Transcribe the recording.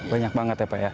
banyak banget ya pak ya